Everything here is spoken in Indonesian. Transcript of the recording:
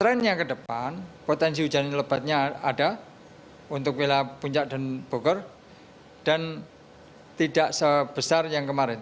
trendnya ke depan potensi hujan lebatnya ada untuk wilayah puncak dan bogor dan tidak sebesar yang kemarin